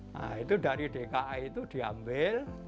nah itu dari dki itu diambil